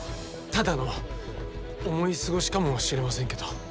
ただの思い過ごしかもしれませんけど。